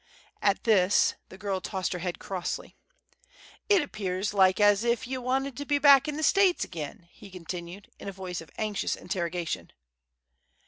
At this the girl tossed her head crossly. "It appears like as if ye wanted to be back in the States ag'in," he continued, in a voice of anxious interrogation.